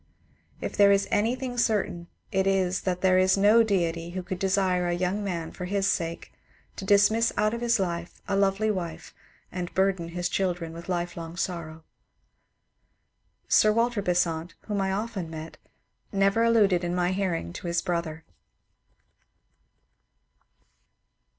If there is anything certain it is that there is no deity who could desire a young man for his sake to dismiss out of his life a lovely wife and burden his children with lifelong sorrow. Sir Walter Besant, whom I often met, never alluded in my hearing to his brother.